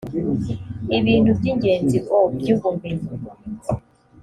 ibintu by ingenzi o by ubumenyi